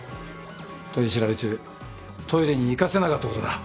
取り調べ中トイレに行かせなかったことだ。